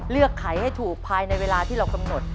ไขให้ถูกภายในเวลาที่เรากำหนด